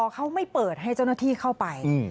เขาไม่เปิดให้เจ้าหน้าที่เข้าไป